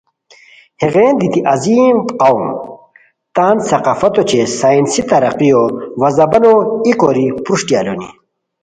ہیغین دیتی عظیم قوم تان ثقافت اوچے سائنسی ترقیو وا زبانو ای کوری پروشٹی الونی